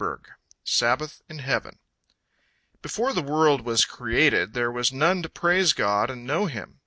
SABBATH IN HEAVEN Before the world was created, there was none to praise God and know Him.